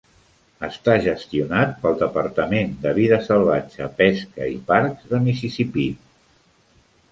Està gestionat pel Departament de Vida Salvatge, Pesca i Parcs de Mississippi.